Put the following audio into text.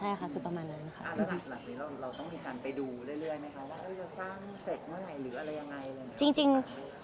ทางละหั่นอย่างนี้เราต้องมีการไปดูเรื่อยมั้ยคะถ้าที่จะตั้งเสร็จไหมหรืออะไรยังไง